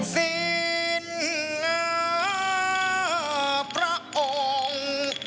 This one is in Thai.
สิ้นเหงอพระองค์